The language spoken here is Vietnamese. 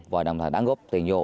và đồng thời đáng góp tiền vô